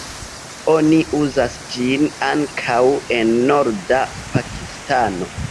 Oni uzas ĝin ankaŭ en norda Pakistano.